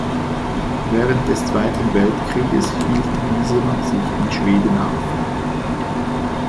Während des Zweiten Weltkrieges hielt Wiesener sich in Schweden auf.